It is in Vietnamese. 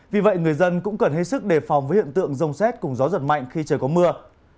vì vậy người dân cũng cần hết sức đề phòng với hiện tượng rông xét cùng gió giật mạnh khi trời có mưa